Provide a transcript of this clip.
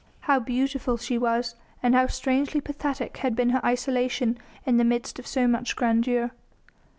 How beautiful she was and how strangely pathetic had been her isolation in the midst of so much grandeur.